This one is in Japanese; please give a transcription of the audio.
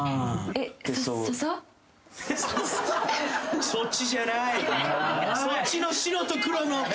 えっ？